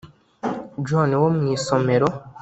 john wo mu isomero.